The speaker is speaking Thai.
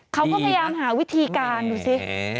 เขาก็พยายามหาวิธีการดูสิ